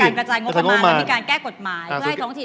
มีการกระจายงบประมาณมีการแก้กฎหมาย